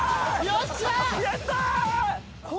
よっしゃ！